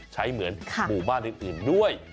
เหมือนหมู่บ้านอื่นด้วย